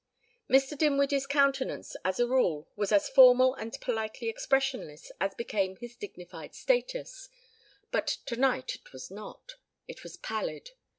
Mr. Dinwiddie's countenance as a rule was as formal and politely expressionless as became his dignified status, but tonight it was not. It was pallid.